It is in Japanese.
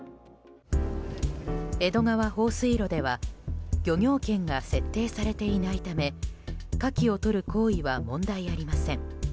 江戸川放水路では漁業権が設定されていないためカキをとる行為は問題ありません。